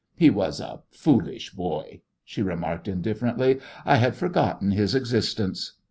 "He was a foolish boy," she remarked indifferently. "I had forgotten his existence."